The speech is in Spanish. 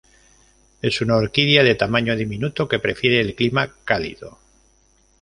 Es una orquídea de tamaño diminuto que prefiere el clima cálido.